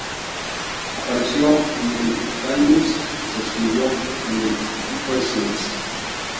Apareció en el Daniense y se extinguió en el Ypresiense.